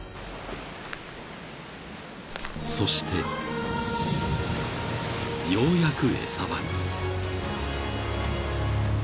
［そしてようやく餌場に］